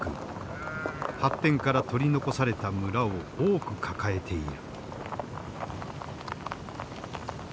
発展から取り残された村を多く抱えている。